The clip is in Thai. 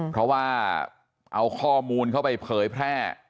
เพราะว่าเอาข้อมูลเข้าไปเผยแพร่